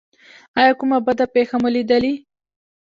ایا کومه بده پیښه مو لیدلې؟